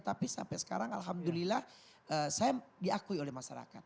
tapi sampai sekarang alhamdulillah saya diakui oleh masyarakat